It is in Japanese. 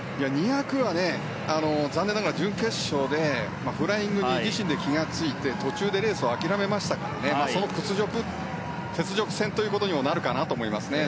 ２００は残念ながら準決勝でフライングに自身で気が付いて途中でレースを諦めましたからその屈辱、雪辱戦となるかなと思いますね。